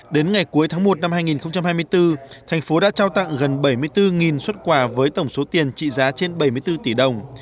đến ngày cuối tháng một năm hai nghìn hai mươi bốn thành phố đã trao tặng gần bảy mươi bốn xuất quà với tổng số tiền trị giá trên bảy mươi bốn tỷ đồng